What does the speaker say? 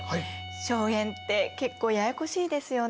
荘園って結構ややこしいですよね？